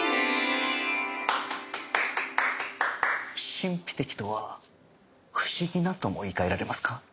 神秘的とは不思議なとも言い換えられますか？